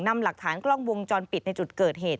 นำหลักฐานกล้องวงจรปิดในจุดเกิดเหตุ